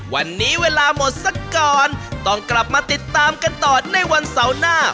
วันนี้เวลาหมดสักก่อนต้องกลับมาติดตามกันต่อในวันเสาร์หน้า